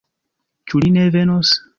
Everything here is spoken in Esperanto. Ĉu li ne venos?